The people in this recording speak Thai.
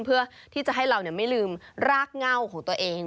เพื่อที่จะให้เราไม่ลืมรากเง่าของตัวเอง